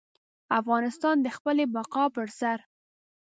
افغانستان د خپلې بقا پر سر.